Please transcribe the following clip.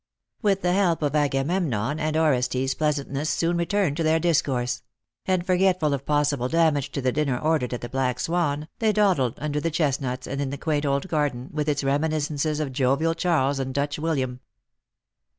With the help of Agamemnon and Orestes pleasantness soon returned to their discourse ; and forgetful of possible damage to the dinner ordered at the Black Swan, they dawdled under the chestnuts and in the quaint old garden, with its reminiscences of jovial Charles and Dutch William.